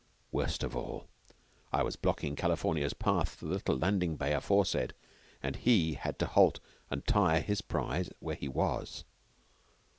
Worst of all, I was blocking California's path to the little landing bay aforesaid, and he had to halt and tire his prize where he was.